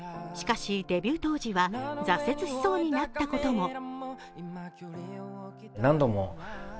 しかしデビュー当時は挫折しそうになったことも。